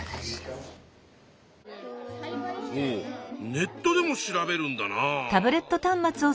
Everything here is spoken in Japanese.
ネットでも調べるんだな。